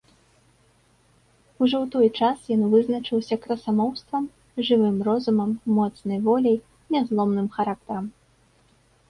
Ужо ў той час ён вызначаўся красамоўствам, жывым розумам, моцнай воляй, нязломным характарам.